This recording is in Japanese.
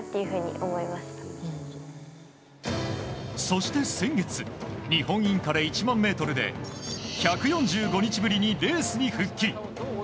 そして先月日本インカレ１００００ｍで１４５日ぶりにレースに復帰。